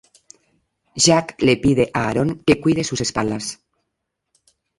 Jack le pide a Aaron que cuide sus espaldas.